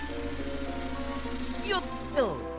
よっと！